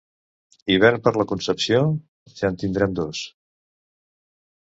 Hivern per la Concepció? Ja en tindrem dos.